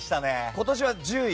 今年は１０位。